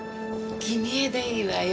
公江でいいわよ。